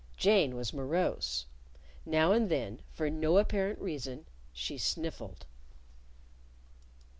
Jane was morose. Now and then, for no apparent reason, she sniffled.